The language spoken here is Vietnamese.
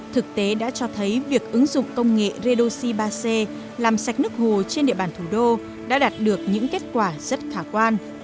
thực tế đã cho thấy việc ứng dụng công nghệ redoxi ba c làm sạch nước hồ trên địa bàn thủ đô đã đạt được những kết quả rất khả quan